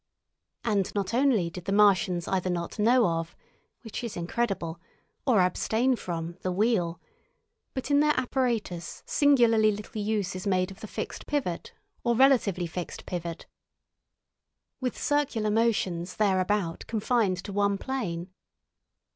And not only did the Martians either not know of (which is incredible), or abstain from, the wheel, but in their apparatus singularly little use is made of the fixed pivot or relatively fixed pivot, with circular motions thereabout confined to one plane.